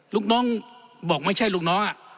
ลูกน้องบอกไม่ใช่ลูกน้อง